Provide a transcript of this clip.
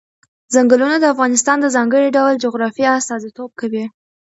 ځنګلونه د افغانستان د ځانګړي ډول جغرافیه استازیتوب کوي.